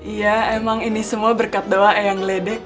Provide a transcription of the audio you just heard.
iya emang ini semua berkat doa eyang ledek